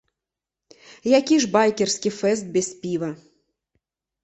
Які ж байкерскі фэст без піва?!